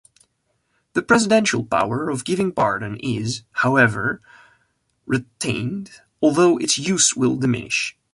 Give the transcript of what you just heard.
The presidential power of giving pardon is, however, retained, although its use will diminish.